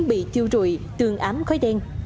bị thiêu rụi tương ám khói đen